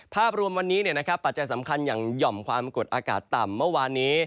ภาพรวมวันนี้ปัจจัยสำคัญอย่างหย่อมความกดอากาศต่ำเมื่อวานนี้